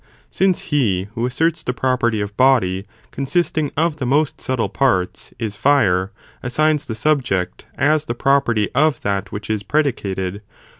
since he who asserts the property of body, consist ing of the most subtle parts, is fire, assigns the subject! as the property of that which is predicated